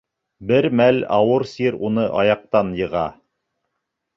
Бер мәл ауыр сир уны аяҡтан йыға.